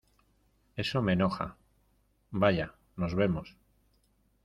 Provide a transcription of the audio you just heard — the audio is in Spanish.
eso me enoja... ¡ vaya, nos vemos! ...